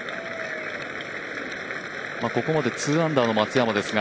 ここまで２アンダーの松山ですが